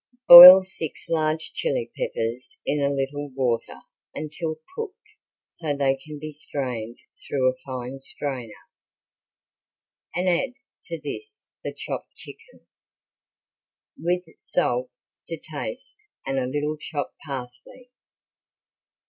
Boil six large chili peppers in a little water until cooked so they can be strained through a fine strainer, and add to this the chopped chicken, with salt to taste and a little chopped parsley.